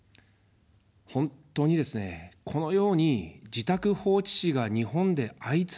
本当にですね、このように自宅放置死が日本で相次ぐ。